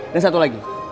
dan satu lagi